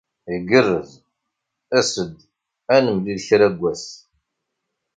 Igerrez! As-d ad nemlil kra wass.